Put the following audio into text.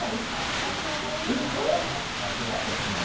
私も分かりました。